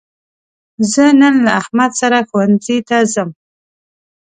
زه نن له احمد سره ښوونځي ته ځم.